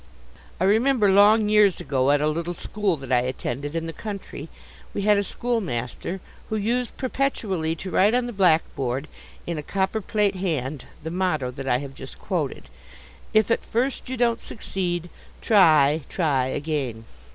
I remember, long years ago, at a little school that I attended in the country, we had a schoolmaster, who used perpetually to write on the blackboard, in a copperplate hand, the motto that I have just quoted: "If at first you don't succeed, Try, try, again."